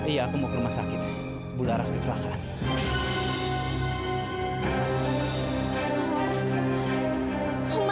iya aku mau ke rumah sakit bularas kecelakaan